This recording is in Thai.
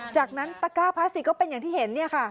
จากนั้นตะก้าพลาสติกก็เป็นอย่างที่เห็น